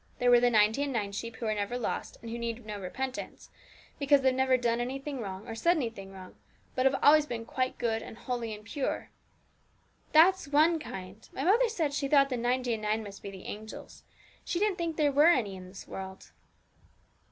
There are the ninety and nine sheep who were never lost, and who need no repentance, because they've never done anything wrong or said anything wrong, but have always been quite good, and holy, and pure. That's one kind; my mother said she thought the ninety and nine must be the angels; she didn't think there were any in this world.'